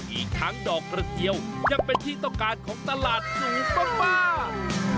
อีกทั้งดอกกระเจียวยังเป็นที่ต้องการของตลาดสูงมาก